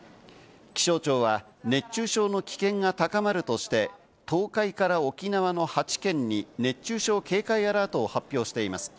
気象庁は熱中症の危険が高まるとして、東海から沖縄の８県に熱中症警戒アラートを発表しています。